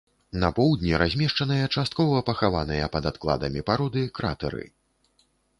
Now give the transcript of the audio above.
На поўдні размешчаныя часткова пахаваныя пад адкладамі пароды кратэры.